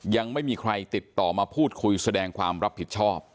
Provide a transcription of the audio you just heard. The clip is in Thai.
ยังไม่มีใครติดต่อมาพูดคุยแสดงความรับผิดชอบ